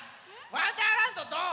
「わんだーらんど」どう？